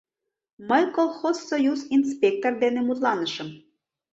Мый колхозсоюз инспектор дене мутланышым.